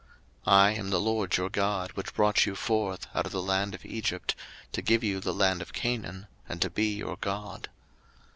03:025:038 I am the LORD your God, which brought you forth out of the land of Egypt, to give you the land of Canaan, and to be your God.